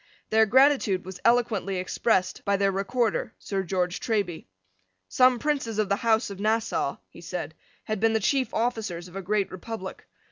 Their gratitude was eloquently expressed by their Recorder, Sir George Treby. Some princes of the House of Nassau, he said, had been the chief officers of a great republic.